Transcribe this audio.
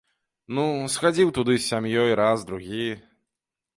Ну, схадзіў туды з сям'ёй, раз, другі.